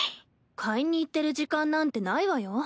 買いに行ってる時間なんてないわよ。